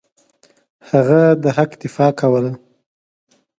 هغه د حق دفاع کوله.